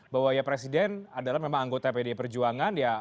bahwa presiden adalah memang anggota pdip perjuangan